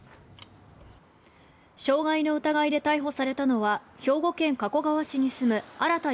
傷害の疑いで逮捕されたのは兵庫県加古川市に住む荒田佑